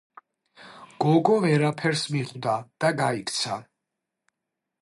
გოგო ვერაფერს მიხვდა და გაიქცა.